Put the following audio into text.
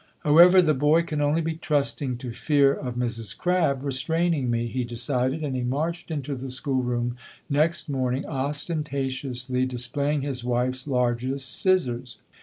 "However, the boy can only be trusting to fear of Mrs. Crabb restraining me," he decided, and he marched into the school room next morning, ostentatiously displaying his wife's largest scissors.